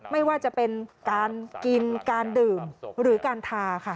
ไม่ว่าจะเป็นการกินการดื่มหรือการทาค่ะ